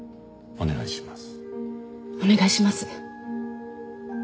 お願いします。